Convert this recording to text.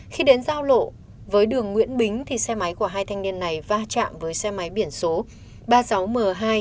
khi đến giao lộ với đường nguyễn bính xe máy của hai thanh niên này va chạm với xe máy biển số ba mươi sáu m hai bốn nghìn ba trăm ba mươi một